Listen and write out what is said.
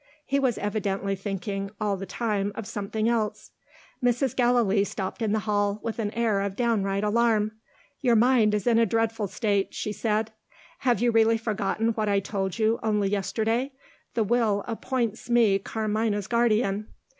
He was evidently thinking all the time of something else. Mrs. Gallilee stopped in the hall, with an air of downright alarm. "Your mind is in a dreadful state," she said. "Have you really forgotten what I told you, only yesterday? The Will appoints me Carmina's guardian."